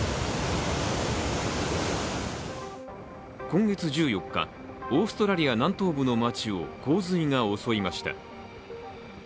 今月１４日、オーストラリア南東部の街を洪水が襲いました。